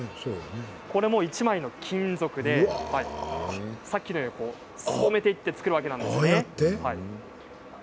これも１枚の金属でさっきのようにすぼめていって作るわけです。